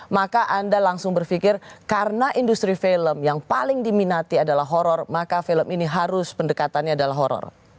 maka anda langsung berpikir karena industri film yang paling diminati adalah horror maka film ini harus pendekatannya adalah horror